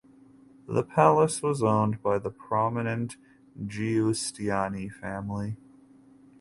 The palace was owned by the prominent Giustiniani family.